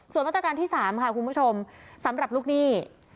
ส่วนมาตรการที่๓ค่ะคุณผู้ชมสำหรับลูกหนี้